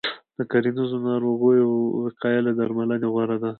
د کرنیزو ناروغیو وقایه له درملنې غوره ده.